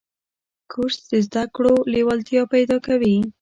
کورس د زده کړو لیوالتیا پیدا کوي.